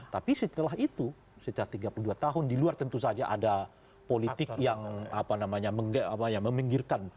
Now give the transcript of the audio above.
tapi setelah itu setelah tiga puluh dua tahun di luar tentu saja ada politik yang meminggirkan